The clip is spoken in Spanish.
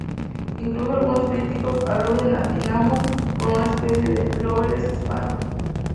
Incluso algunos críticos aluden a "Dynamo" como una especie de ""Loveless hispano"".